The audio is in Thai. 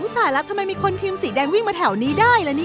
ตายแล้วทำไมมีคนทีมสีแดงวิ่งมาแถวนี้ได้ละนี่